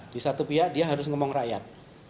di satu pihak dia harus ngomong rakyat